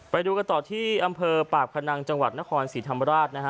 ไปดูกันต่อที่อำเภอปากพนังจังหวัดนครศรีธรรมราชนะฮะ